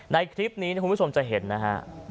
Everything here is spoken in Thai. ในคลิปนี้คุณผู้ชมจะเห็นนะฮะ